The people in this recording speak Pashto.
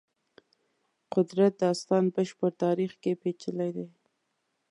قدرت داستان بشر تاریخ کې پېچلي دی.